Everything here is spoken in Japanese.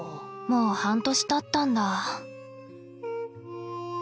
もう半年たったんだ。